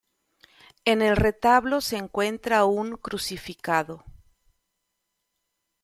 En el retablo se encuentra un crucificado.